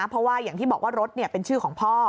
เพราะว่าอย่างที่บอกว่ารถเป็นชื่อของพ่อ